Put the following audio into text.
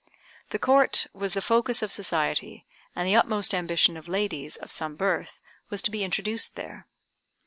The Court was the focus of society, and the utmost ambition of ladies of some birth was to be introduced there.